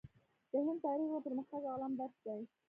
د هند تاریخ د پرمختګ او علم درس دی.